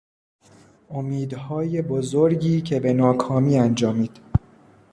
امیدهای بزرگی که به ناکامی انجامید